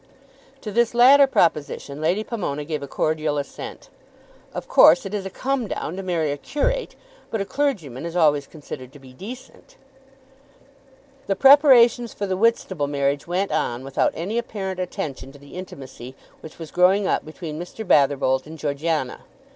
To this latter proposition Lady Pomona gave a cordial assent. "Of course it is a come down to marry a curate, but a clergyman is always considered to be decent." The preparations for the Whitstable marriage went on without any apparent attention to the intimacy which was growing up between Mr. Batherbolt and Georgiana.